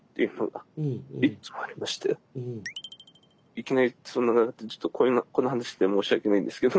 いきなりちょっとこんな話して申し訳ないんですけど。